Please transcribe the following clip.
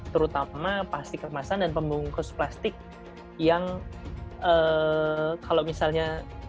terutama pasti kemasan dan pembungkus plastik yang kalau misalnya